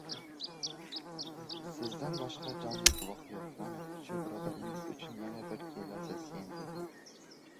Sizdan boshqa jonli guvoh yo‘q. Mana shu birodaringiz uchun yana bir kelasiz, endi.